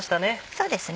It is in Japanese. そうですね。